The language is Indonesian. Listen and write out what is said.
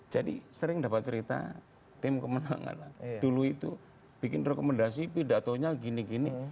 jadi sering dapat cerita tim kemenangan dulu itu bikin rekomendasi pidatonya gini gini